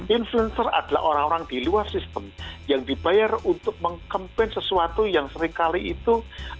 influencer adalah orang orang di luar sistem yang dibayar untuk mengkampen sesuatu yang seringkali itu